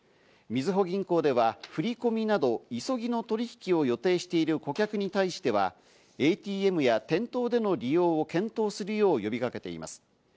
みずほ銀行では振り込みなど急ぎの取引を予定している顧客に対してはＡＴＭや店頭での利用を検討するよう呼びかけています。